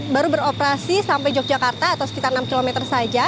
baru beroperasi sampai yogyakarta atau sekitar enam km saja